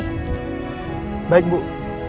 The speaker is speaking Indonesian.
kamu ini dari mana sih